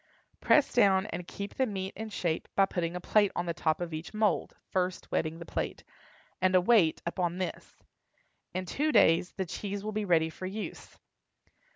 Press down and keep the meat in shape by putting a plate on the top of each mould (first wetting the plate) and a weight upon this. In two days the cheese will be ready for use.